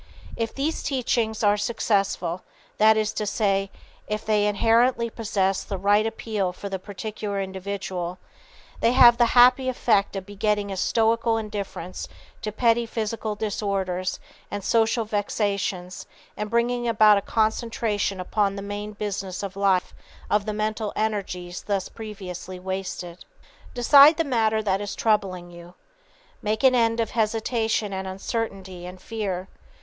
If these teachings are successful that is to say, if they inherently possess the right appeal for the particular individual they have the happy effect of begetting a stoical indifference to petty physical disorders and social vexations and bringing about a concentration upon the main business of life of the mental energies thus previously wasted. [Sidenote: How to Release Pent Up Power] Decide the matter that is troubling you. Make an end of hesitation and uncertainty and fear.